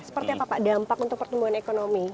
seperti apa pak dampak untuk pertumbuhan ekonomi